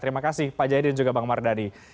terima kasih pak jayadi dan juga bang mardhani